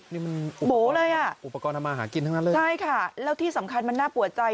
นี่มันโบ๋เลยอ่ะใช่ค่ะแล้วที่สำคัญมันน่าปวดใจ